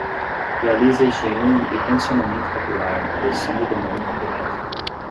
Realiza higiene e condicionamento capilar na posição ergonômica correta.